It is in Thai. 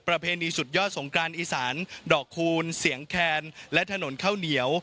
เพณีสุดยอดสงกรานอีสานดอกคูณเสียงแคนและถนนข้าวเหนียว